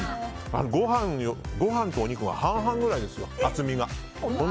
ご飯とお肉が半々ぐらいです厚みが。